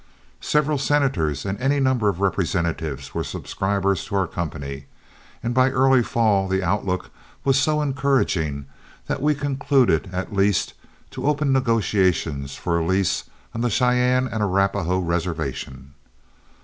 Several senators and any number of representatives were subscribers to our company, and by early fall the outlook was so encouraging that we concluded at least to open negotiations for a lease on the Cheyenne and Arapahoe reservation.